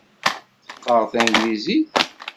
Teqqareḍ tanglizit?